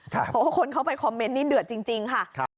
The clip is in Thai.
เพราะว่าคนเข้าไปคอมเมนต์นี้เดือดจริงค่ะ